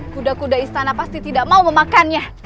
kuda kuda istana pasti tidak mau memakannya